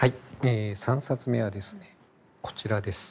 え３冊目はですねこちらです。